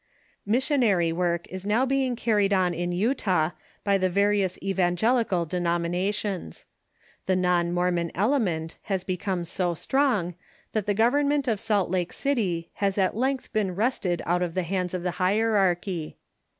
Missionary work is now being carried on in Utah by the various evangelical denominations. The non Mormon element has become so strong that the government of Salt Lake City has at length been wrested out of the hands of the hierarchy.